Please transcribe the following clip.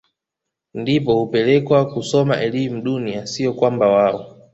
ndipo hupelekwa kusoma elimu dunia siyo kwamba wao